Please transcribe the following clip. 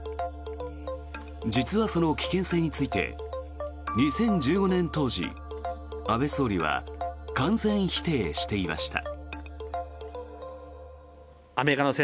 実はその危険性について２０１５年当時、安倍総理は完全否定していました。